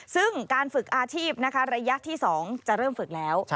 ซึ่งการฝึกอาชีพนะคะระยะที่๒จะเริ่มฝึกแล้ว